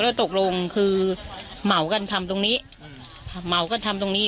แล้วตกลงคือเหมากันทำตรงนี้เหมากันทำตรงนี้